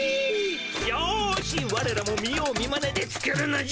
よしわれらも見よう見まねで作るのじゃ。